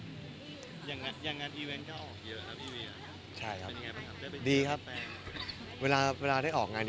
อีเวย์ใช่ครับเป็นยังไงบ้างครับได้เป็นดีครับเวลาเวลาได้ออกงาน